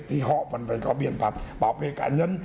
thì họ vẫn phải có biện pháp bảo vệ cá nhân